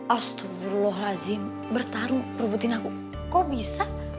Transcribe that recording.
astagfirullahaladzim bertarung merebutin aku kok bisa